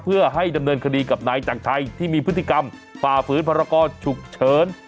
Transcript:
เพื่อให้ดำเนินคดีกับนายจักรชัยที่มีพฤติกรรมฝ่าฝืนพรกรฉุกเฉิน